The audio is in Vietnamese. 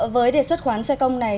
với đề xuất khoán xe công này